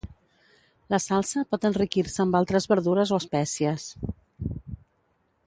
La salsa pot enriquir-se amb altres verdures o espècies.